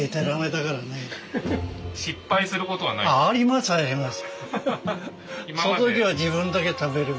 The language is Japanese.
ありますあります。